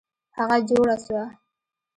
هغه جوړه سوه.